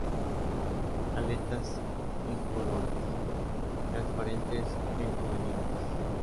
Aletas incoloras y transparentes en juveniles.